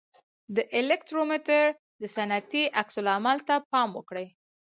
د الکترومتر د ستنې عکس العمل ته پام وکړئ.